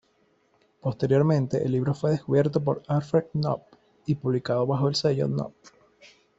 Posteriormente, el libro fue descubierto por Alfred Knopf, y publicado bajo el sello Knopf.